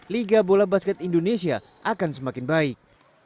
liga bola basket indonesia akan semakin baik